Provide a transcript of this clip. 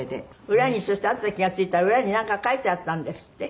裏にそしてあとで気が付いたら裏になんか書いてあったんですって？